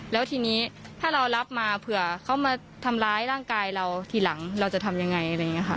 แล้วทีนี้ถ้าเรารับมาเผื่อเขามาทำร้ายร่างกายเราทีหลังเราจะทำยังไงอะไรอย่างนี้ค่ะ